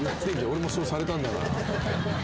俺もそうされたんだから。